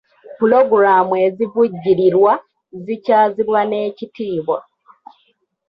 Pulogulaamu ezivujjirirwa zikyazibwa n'ekitiibwa.